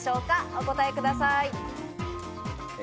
お答えください。